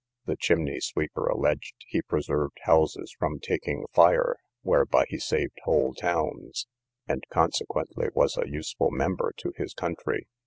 The chimney sweeper alleged, he preserved houses from taking fire, whereby he saved whole towns, and consequently was a useful member to his country.